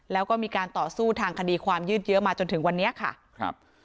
แล้วก็มีการต่อสู้ทางคดีความยืดเยอะมาจนถึงวันนี้ค่ะครับ